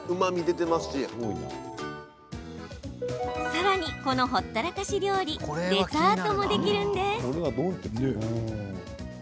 さらに、このほったらかし料理デザートもできるんです。